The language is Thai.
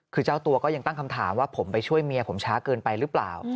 คือเจ้าตัวก็ยังตั้งคำถามว่าผมไปช่วยเมียผมช้าเกินไปหรือเปล่า